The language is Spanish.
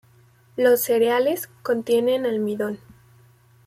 Los cereales contienen almidón.